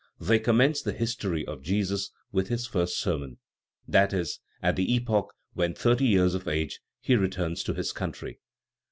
They commence the history of Jesus with his first sermon, i.e., at the epoch, when thirty years of age, he returns to his country.